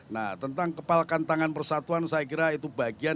nah tentang kepalkan tangan persatuan saya kira itu bagian